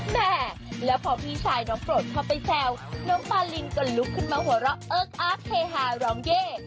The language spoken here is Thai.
แม่แล้วพอพี่ชายน้องโปรดเข้าไปแซวน้องปาลินก็ลุกขึ้นมาหัวเราะเอิ๊กอาร์กเฮฮาร้องเย่